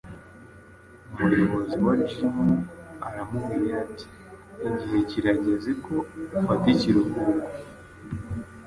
Umuyobozi wa Jim aramubwira ati: "Igihe kirageze ko ufata ikiruhuko.